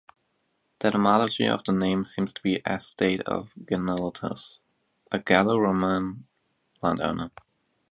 The etymology of the name seems to be "estate of Gentilius", a Gallo-Roman landowner.